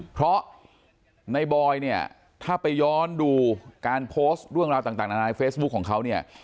เพราะในบอยเนี่ยถ้าไปย้อนดูการโพสต์เรื่องราวต่างนานาในเฟซบุ๊คของเขาเนี่ย